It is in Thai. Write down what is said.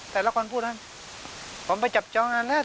แต่ละคนพูดอันนั้นผมไปจับจองอันนั้นแล้ว